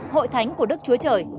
hội thánh của đức chúa trời